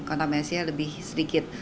kontaminasinya lebih sedikit